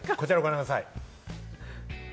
こちらをご覧ください。